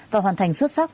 và hoàn thành xuất sắc